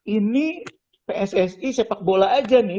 ini pssi sepak bola aja nih